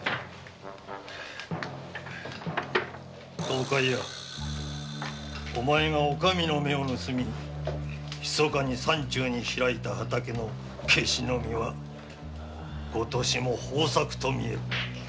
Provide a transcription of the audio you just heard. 東海屋お前がお上の目を盗みひそかに山中に拓いた畑のケシの実は今年も豊作とみえるな。